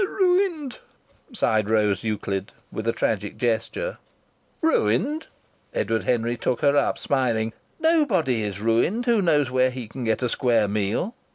"We're ruined!" sighed Rose Euclid, with a tragic gesture. "Ruined?" Edward Henry took her up smiling. "Nobody is ruined who knows where he can get a square meal.